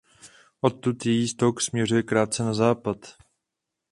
Odtud její tok směřuje krátce na západ.